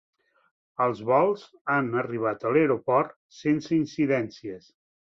Els vols han arribat a l'aeroport sense incidències.